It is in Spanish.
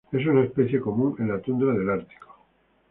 Es una especie común en la tundra del Ártico.